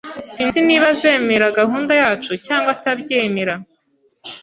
Sinzi niba azemera gahunda yacu cyangwa atabyemera.